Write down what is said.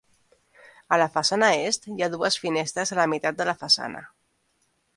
A la façana est, hi ha dues finestres a la meitat de la façana.